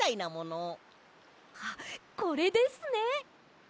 あっこれですね！